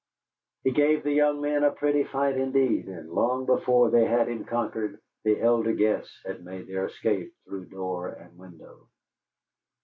He gave the young men a pretty fight indeed, and long before they had him conquered the elder guests had made their escape through door and window.